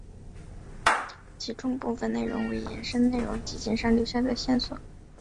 其中部分内容为延伸和解答上集留下的线索。